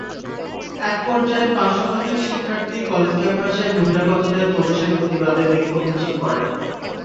একপর্যায়ে পাঁচ শতাধিক শিক্ষার্থী কলেজ ক্যাম্পাসে বহিরাগতদের প্রবেশের প্রতিবাদে বিক্ষোভ মিছিল করেন।